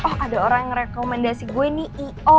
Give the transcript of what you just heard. oh ada orang yang rekomendasi gue ini i o